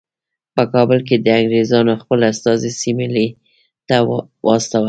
په کابل کې د انګریزانو خپل استازی سیملې ته واستاوه.